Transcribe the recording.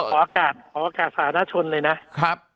ขออากาศขออากาศสหรัฐชนเลยนะครับ